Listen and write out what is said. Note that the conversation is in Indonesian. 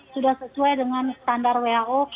sudah sesuai dengan standar who